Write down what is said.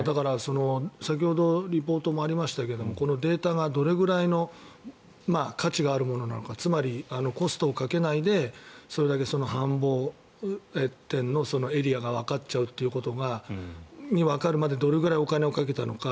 先ほどリポートもありましたがこのデータがどれぐらいの価値があるものなのかつまり、コストをかけないでそれだけ繁忙店のエリアがわかっちゃうまでにどれぐらいお金をかけたのか。